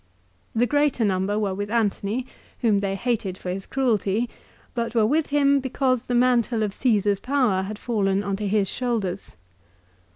The greater number were with Antony, whom they hated for his cruelty ; but were? with him because the mantle of Caesar's power had fallen on to his shoulders.